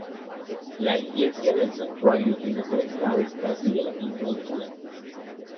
La iglesia del santuario tiene tres naves casi de la misma altura.